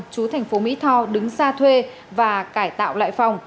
chú thành phố mỹ tho đứng ra thuê và cải tạo lại phòng